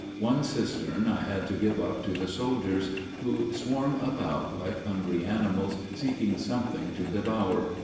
One cistern I had to give up to the soldiers, who swarm about like hungry animals seeking something to devour.